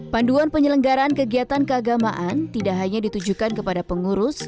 panduan penyelenggaraan kegiatan keagamaan tidak hanya ditujukan kepada pengurus